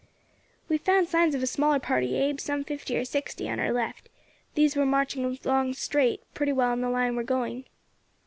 "We have found signs of a smaller party, Abe, some fifty or sixty, on our left; these were marching straight along, pretty well in the line we are going."